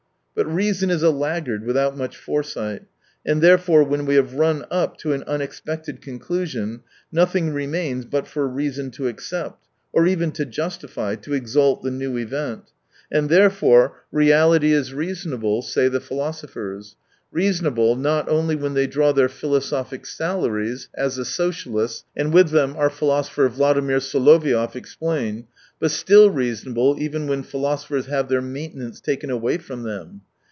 5ut re^sqn is a laggard, without much foresight, and. there fore, when we have run up to an ujiexpected conclusion, nothing remains but for reason to accept : or even to justify, to exalt the new event. And therefore, —" reality is 77 reasonable," say the philosophers : reason able, not only when they draw their philo sophic salaries, as the socialists, and with them our philosopher Vladimir Soloviov, explain; but still reasonable even when philosophers have their maintenance taken away from them.